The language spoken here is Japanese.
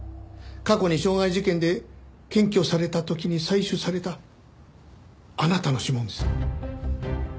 過去に傷害事件で検挙された時に採取されたあなたの指紋です。